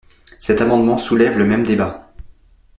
Cet amendement soulève le même débat.